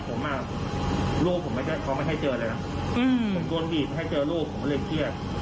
ผมโดนบีบไม่ได้เจอลูกผมก็เลยเครียด